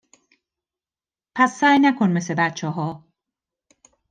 پس سعی نکن مث بچه ها